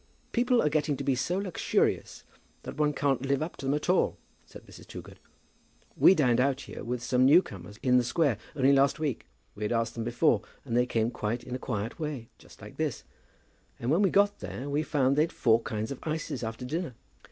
"People are getting to be so luxurious that one can't live up to them at all," said Mrs. Toogood. "We dined out here with some new comers in the square only last week. We had asked them before, and they came quite in a quiet way, just like this; and when we got there we found they'd four kinds of ices after dinner!"